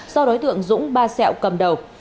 do đối tượng dũng ba sẹo cầm đầu